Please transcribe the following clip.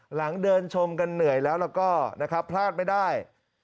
หลังเดินชมกันเหนื่อยแล้วก็พลาดไม่ได้